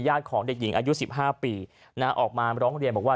ของเด็กหญิงอายุ๑๕ปีออกมาร้องเรียนบอกว่า